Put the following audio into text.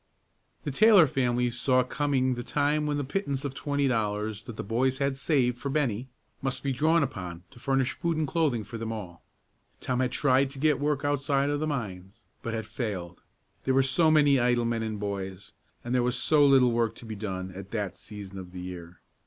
The Taylor family saw coming the time when the pittance of twenty dollars that the boys had saved for Bennie must be drawn upon to furnish food and clothing for them all. Tom had tried to get work outside of the mines, but had failed; there were so many idle men and boys, and there was so little work to be done at that season of the year.